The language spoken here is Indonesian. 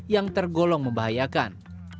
yang tergolong membahayakan